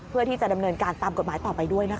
เพื่อที่จะดำเนินการตามกฎหมายต่อไปด้วยนะคะ